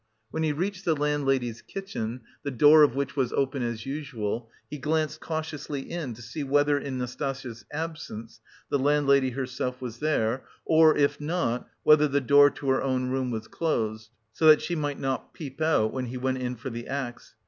When he reached the landlady's kitchen, the door of which was open as usual, he glanced cautiously in to see whether, in Nastasya's absence, the landlady herself was there, or if not, whether the door to her own room was closed, so that she might not peep out when he went in for the axe.